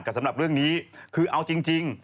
แต่สำหรับเรื่องนี้คือเอาจริง